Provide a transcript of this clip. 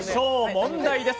問題です。